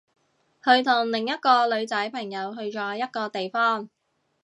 佢同另一個女仔朋友去咗一個地方